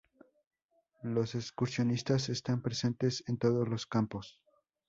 Los excursionistas están presentes en todos los campos.